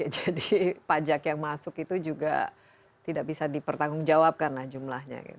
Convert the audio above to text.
jadi pajak yang masuk itu juga tidak bisa dipertanggung jawabkanlah jumlahnya